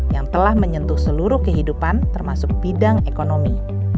yang telah menyentuh seluruh kehidupan termasuk bidang ekonomi